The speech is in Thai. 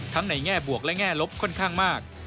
ในแง่บวกและแง่ลบค่อนข้างมาก